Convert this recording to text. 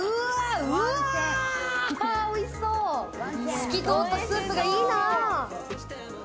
透き通ったスープがいいな。